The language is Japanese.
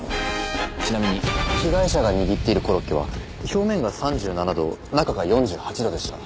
ちなみに被害者が握っているコロッケは表面が３７度中が４８度でした。